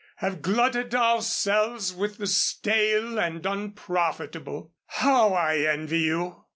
_ have glutted ourselves with the stale and unprofitable. How I envy you!"